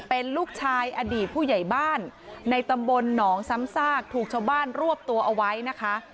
เป็นลูกชายอดีตผู้ใหญ่บ้านในตำบลหนองซ้ำซากถูกชาวบ้านรวบตัวเอาไว้นะคะ